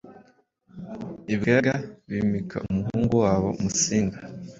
ibwega bimika umuhungu wabo Musinga.